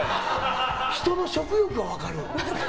人の食欲は分かる。